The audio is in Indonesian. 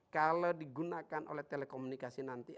kalau digunakan oleh telekomunikasi nanti